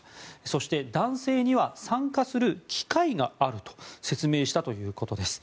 そして、男性には参加する機会があると説明したということです。